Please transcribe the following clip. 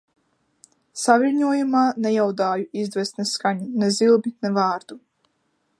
Saviļņojumā nejaudāju izdvest ne skaņu, ne zilbi, ne vārdu.